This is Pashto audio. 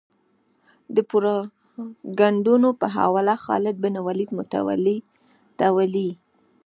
د پروپاګندونو په حواله خالد بن ولید متولي ته ویلي.